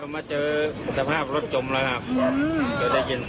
มึงบอกมเราไปกะหาร้วง